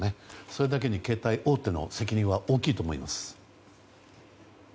それだけに、携帯大手の責任は大きいと思います。